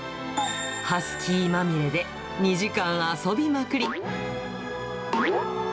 ハスキーまみれで２時間遊びまくり。